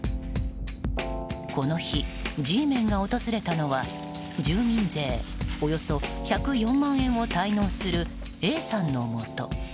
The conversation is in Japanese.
この日、Ｇメンが訪れたのは住民税およそ１０４万円を滞納するＡさんのもと。